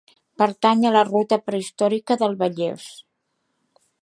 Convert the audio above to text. Pertany a la Ruta Prehistòrica del Vallès.